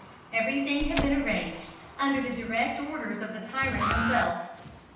Everything had been arranged under the direct orders of the tyrant himself.